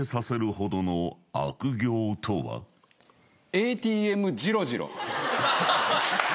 ＡＴＭじろじろ。